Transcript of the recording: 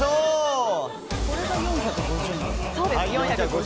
これが４５０ｇ。